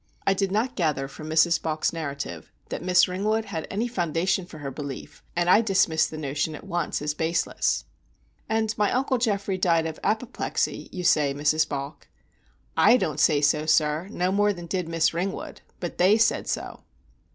I did not gather from Mrs. Balk's narrative that Miss Ringwood had any foundation for her belief, and I dismissed the notion at once as baseless. "And my uncle Geoffrey died of apoplexy, you say, Mrs. Balk?" "I don't say so, sir, no more did Miss Ringwood; but they said so."